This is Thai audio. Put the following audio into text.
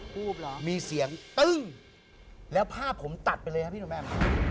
พูดเหรอมีเสียงตึ้งแล้วภาพผมตัดไปเลยครับพี่หนุ่มแบม